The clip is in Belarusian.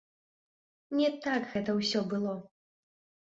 Не так гэта ўсё было.